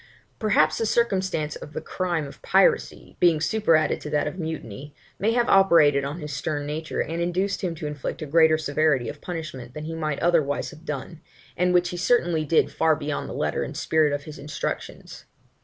Perhaps the circumstance of the crime of piracy, being superadded to that of mutiny, may have operated on his stern nature, and induced him to inflict a greater severity of punishment than he might otherwise have done, and which he certainly did far beyond the letter and spirit of his instructions.